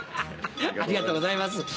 ありがとうございます。